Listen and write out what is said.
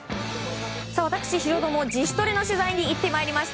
私ヒロドも、自主トレの取材に行ってまいりました。